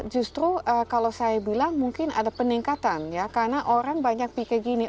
justru kalau saya bilang mungkin ada peningkatan ya karena orang banyak pikir gini